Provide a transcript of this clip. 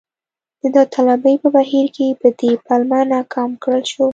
د داوطلبۍ په بهیر کې په دې پلمه ناکام کړل شو.